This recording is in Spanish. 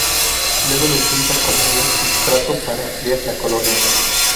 Luego lo utiliza como un substrato para ampliar la colonia.